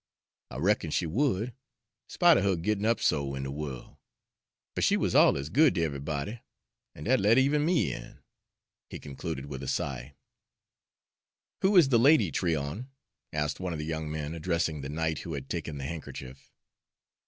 I reckon she would, spite er her gittin' up so in de worl'; fer she wuz alluz good ter ev'ybody, an' dat let even ME in," he concluded with a sigh. "Who is the lady, Tryon?" asked one of the young men, addressing the knight who had taken the handkerchief.